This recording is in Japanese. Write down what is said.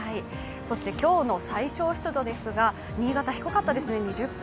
今日の最小湿度ですが、新潟は低かったですね、２０％。